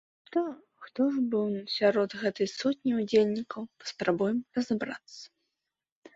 Хто ж быў сярод гэтай сотні ўдзельнікаў, паспрабуем разабрацца.